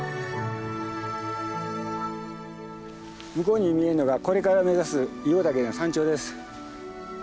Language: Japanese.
向こうに見えるのがこれから目指す硫黄岳山頂です。